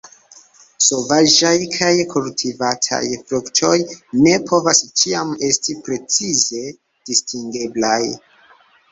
Sovaĝaj kaj kultivataj fruktoj ne povas ĉiam esti precize distingeblaj.